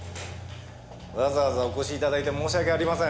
わざわざお越し頂いて申し訳ありません。